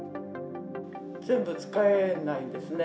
全部使えないですね。